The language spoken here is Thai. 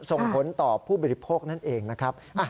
ส่งผลต่อผู้บริโภคนั่นเองนะครับ